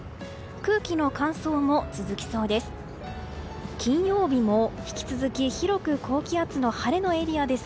空気の乾燥も続きそうです。